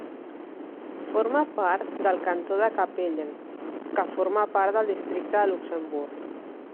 Forma part del cantó de Capellen, que forma part del districte de Luxemburg.